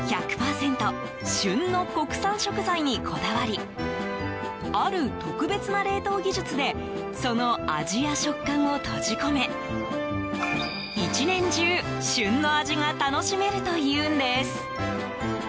１００％旬の国産食材にこだわりある特別な冷凍技術でその味や食感を閉じ込め１年中旬の味が楽しめるというんです。